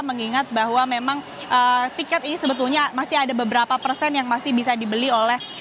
mengingat bahwa memang tiket ini sebetulnya masih ada beberapa persen yang masih bisa dibeli oleh